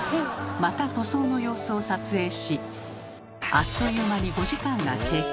また塗装の様子を撮影しあっという間に５時間が経過。